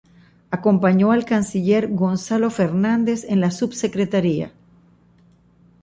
Acompañó al canciller Gonzalo Fernández en la subsecretaría.